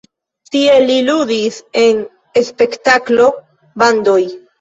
Tie li ludis en spektaklo-bandoj.